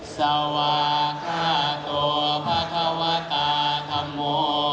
สวาคาตัวพระขวัตตาธรรโม